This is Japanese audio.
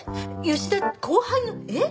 吉田後輩のえっ？